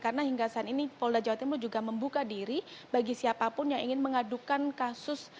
karena hingga saat ini polda jawa timur juga membuka diri bagi siapapun yang ingin mengadukan kasus